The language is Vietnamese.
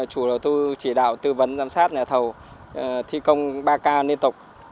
chủ đầu tư chỉ đạo tư vấn giám sát nhà thầu thi công ba k liên tục